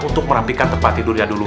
untuk merapikan tempat tidurnya dulu